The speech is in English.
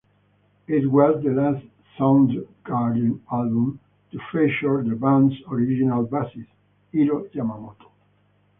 It was the last Soundgarden album to feature the band's original bassist, Hiro Yamamoto.